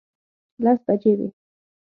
لس بجې وې.